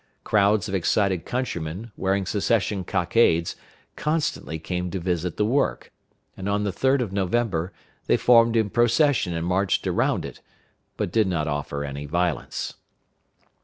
Crowds of excited countrymen, wearing secession cockades, constantly came to visit the work; and on the 3d of November they formed in procession and marched around it, but did not offer any violence.